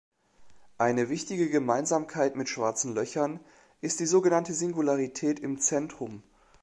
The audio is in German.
Eine wichtige Gemeinsamkeit mit Schwarzen Löchern ist die sogenannte Singularität im Zentrum.